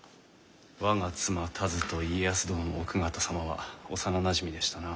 我が妻田鶴と家康殿の奥方様は幼なじみでしたな。